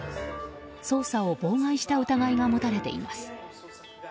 捜査を妨害した疑いが持たれています。